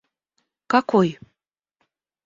какой